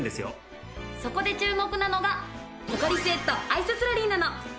そこで注目なのがポカリスエットアイススラリーなの。